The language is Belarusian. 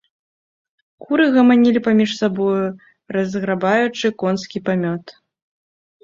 Куры гаманілі паміж сабою, разграбаючы конскі памёт.